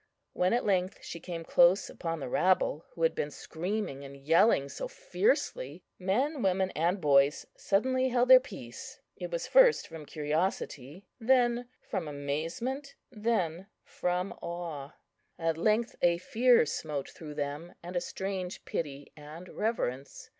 When at length she came close upon the rabble, who had been screaming and yelling so fiercely, men, women, and boys suddenly held their peace. It was first from curiosity, then from amazement, then from awe. At length a fear smote through them, and a strange pity and reverence.